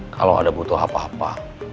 kalau ada butuh apa apa